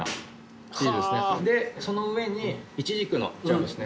でその上にイチジクのジャムですね。